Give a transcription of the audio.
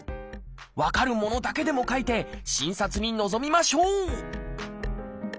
分かるものだけでも書いて診察に臨みましょう！